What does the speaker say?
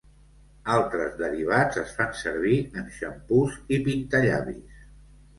Altres derivats es fan servir en xampús i pintallavis.